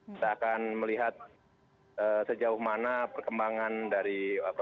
kita akan melihat sejauh mana perkembangan dari